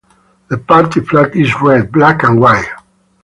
The party flag is red, black and white.